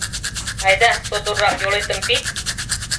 — Айда, содоррак йолетым пид!